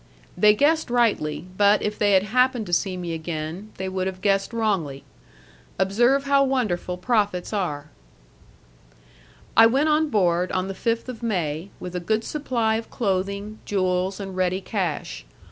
They guessed rightly; but if they had happened to see me again they would have guessed wrongly. Observe how wonderful prophets are! I went on board, on the 5th of May, with a good supply of clothing, jewels, and ready cash.